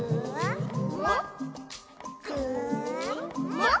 「もっ？